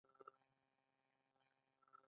دلته والټر رالي د بند شپې تېرې کړې.